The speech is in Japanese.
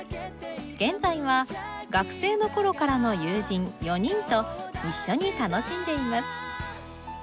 現在は学生の頃からの友人４人と一緒に楽しんでいます。